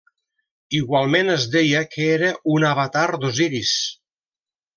Igualment es deia que era un avatar d'Osiris.